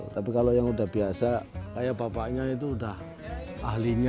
tapi kalau yang udah biasa kayak bapaknya itu udah ahlinya